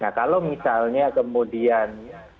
nah kalau misalnya kemudian